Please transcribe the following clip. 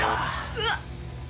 うわっ！